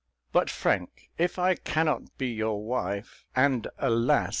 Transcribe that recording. "But, Frank, if I cannot be your wife and alas!